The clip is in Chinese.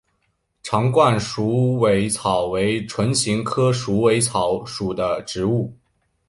长冠鼠尾草为唇形科鼠尾草属的植物。